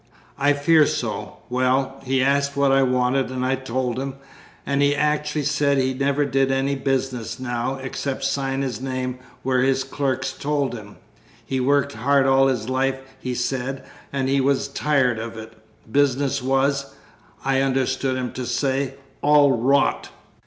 "I fear so. Well, he asked what I wanted, and I told him, and he actually said he never did any business now, except sign his name where his clerks told him. He'd worked hard all his life, he said, and he was tired of it. Business was, I understood him to say, 'all rot!'"